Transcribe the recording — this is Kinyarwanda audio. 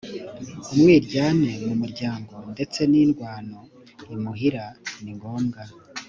umwiryane mu muryango ndetse n indwano imuhira ni ngombwa